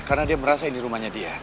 karena dia merasa ini rumahnya dia